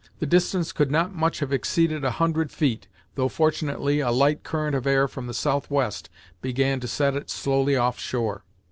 The distance could not much have exceeded a hundred feet, though fortunately a light current of air from the southwest began to set it slowly off shore.